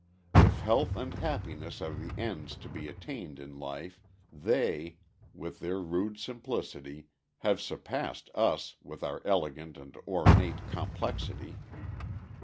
If health and happiness are the ends to be attained in life they, with their rude simplicity, have surpassed us, with our elegant and ornate complexity.